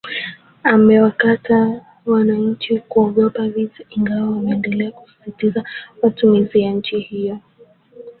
amewataka wananchi kutoogopa vita ingawa wameendelea kusisitiza matumaini ya nchi hiyo